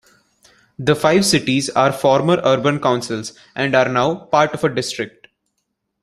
The five cities are former urban councils and are now part of a district.